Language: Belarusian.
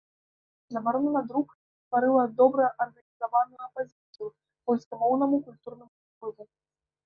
Забарона на друк стварыла добра арганізаваную апазіцыю польскамоўнаму культурнаму ўплыву.